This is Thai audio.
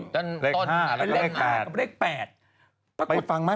จั้นเร็ก๕แล้วก็เร็ก๘